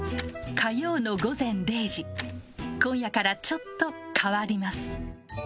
火曜の午前０時今夜からちょっと変わります。